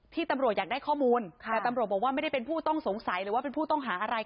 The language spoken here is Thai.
ตำรวจอยากได้ข้อมูลแต่ตำรวจบอกว่าไม่ได้เป็นผู้ต้องสงสัยหรือว่าเป็นผู้ต้องหาอะไร